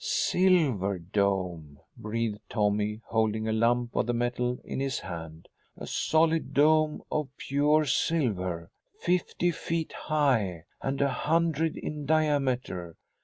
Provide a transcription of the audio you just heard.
"Silver Dome," breathed Tommy, holding a lump of the metal in his hand. "A solid dome of pure silver fifty feet high and a hundred in diameter.